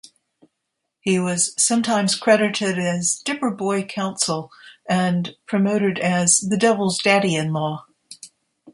He was sometimes credited as Dipper Boy Council and promoted as "The Devil's Daddy-in-Law".